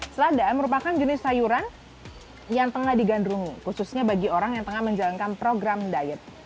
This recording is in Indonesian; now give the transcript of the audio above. selada merupakan jenis sayuran yang tengah digandrungi khususnya bagi orang yang tengah menjalankan program diet